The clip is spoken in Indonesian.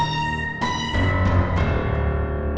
kau punip gandum